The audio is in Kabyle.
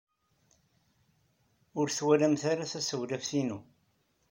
Ur twalamt ara tasewlaft-inu?